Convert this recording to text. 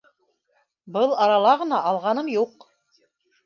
Был арала ғына алғаным юҡ.